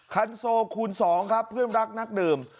คันโซคูณ๒ครับเพื่อนรักนักดื่ม